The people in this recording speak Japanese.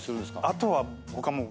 あとは僕はもう。